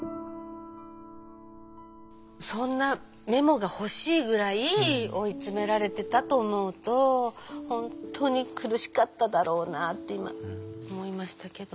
そんなメモが欲しいぐらい追い詰められてたと思うと本当に苦しかっただろうなって今思いましたけど。